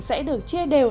sẽ được chia đều